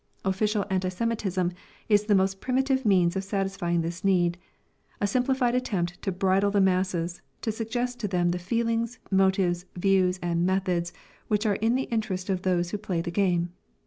Official anti Semitism is the most primitive means of satisfying this need, a simplified attempt to bridle the masses, to suggest to them the feelings, motives, views and methods which are in the interest of those who play the game.